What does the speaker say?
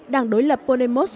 đảng đối lập podemos